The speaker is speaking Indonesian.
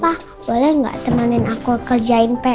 pa boleh gak temanin aku kerjain pr